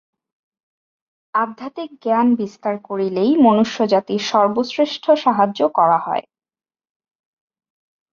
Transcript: আধ্যাত্মিক জ্ঞান বিস্তার করিলেই মনুষ্যজাতির সর্বশ্রেষ্ঠ সাহায্য করা হয়।